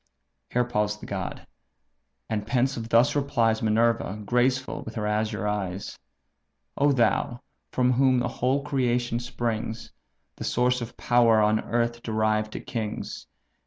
Here paused the god; and pensive thus replies Minerva, graceful with her azure eyes: "O thou! from whom the whole creation springs, The source of power on earth derived to kings!